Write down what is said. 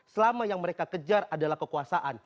selama yang mereka kejar adalah kekuasaan